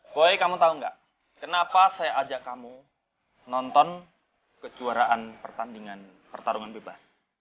boy kamu tau gak kenapa saya ajak kamu nonton kejuaraan pertandingan pertarungan bebas